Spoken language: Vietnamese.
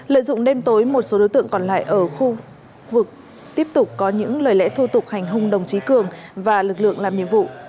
lợi dụng đêm tối một số đối tượng còn lại ở khu vực tiếp tục có những lời lẽ thô tục hành hung đồng chí cường và lực lượng làm nhiệm vụ